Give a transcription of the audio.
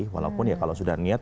walaupun ya kalau sudah niat